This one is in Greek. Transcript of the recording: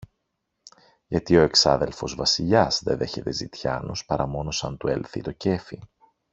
Γιατί ο εξάδελφος Βασιλιάς δε δέχεται ζητιάνους, παρά μόνο σαν του έλθει το κέφι.